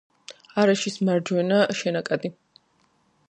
არეშის მარჯვენა შენაკადი.